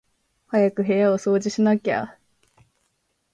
早く部屋を掃除しなきゃ